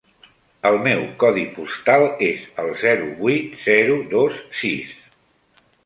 El meu codi postal és el zero vuit zero dos sis.